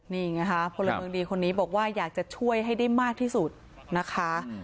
นี่ไงค่ะพลเมืองดีคนนี้บอกว่าอยากจะช่วยให้ได้มากที่สุดนะคะ